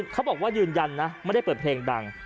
เขาบอกว่ายืนยันนะไม่ได้เปิดเพลงดัง